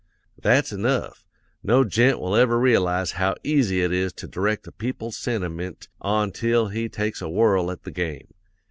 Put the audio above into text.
"'That's enough. No gent will ever realize how easy it is to direct a people's sentiment ontil he take a whirl at the game.